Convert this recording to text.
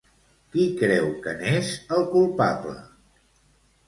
Qui creu que n'és el culpable?